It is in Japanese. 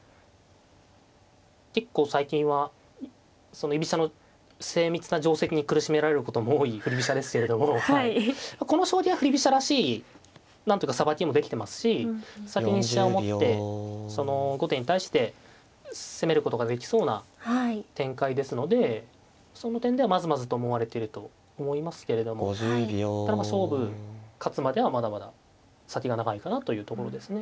結構最近は居飛車の精密な定跡に苦しめられることも多い振り飛車ですけれどもこの将棋は振り飛車らしいなんとかさばきもできてますし先に飛車を持って後手に対して攻めることができそうな展開ですのでその点ではまずまずと思われてると思いますけれどもただまあ勝負勝つまではまだまだ先が長いかなというところですね。